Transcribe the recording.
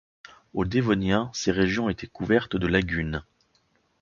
Au Dévonien, ces régions étaient couvertes de lagunes.